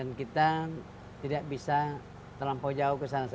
dan kita tidak bisa terlampau jauh kesana